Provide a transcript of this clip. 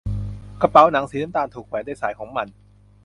กระเป๋าหนังสีน้ำตาลถูกแขวนด้วยสายของมัน